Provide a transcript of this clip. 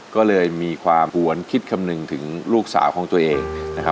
ก็เลยมีความหวนคิดคำนึงถึงลูกสาวของตัวเองนะครับ